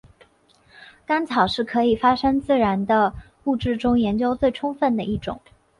干草是可以发生自燃的物质中研究最充分的一种。